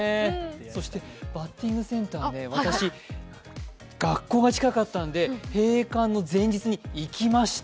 そしてバッティングセンターで私、学校が近かったので閉館の前日に行きました。